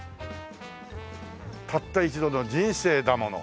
「たった一度の人生だもの